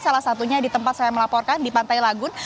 salah satunya di tempat saya melaporkan di pantai lagun